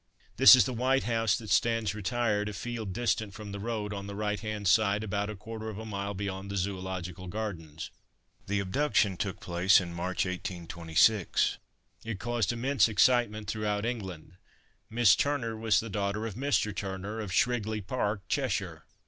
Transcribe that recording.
This is the white house that stands retired a field distant from the road, on the right hand side, about a quarter of a mile beyond the Zoological Gardens. The abduction took place in March, 1826. It caused immense excitement throughout England. Miss Turner was the daughter of Mr. Turner, of Shrigley Park, Cheshire.